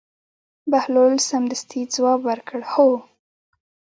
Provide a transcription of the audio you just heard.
بهلول سمدستي ځواب ورکړ: هو.